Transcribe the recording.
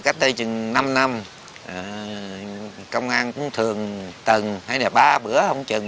công an cũng thường từng hay là ba bữa không chừng